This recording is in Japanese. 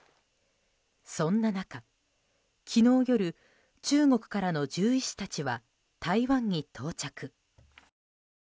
そんな中、昨日夜、中国からの獣医師たちは台湾に到着。